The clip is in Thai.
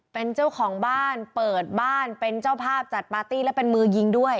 เป็นเจ้าของบ้านเปิดบ้านเป็นเจ้าภาพจัดปาร์ตี้และเป็นมือยิงด้วย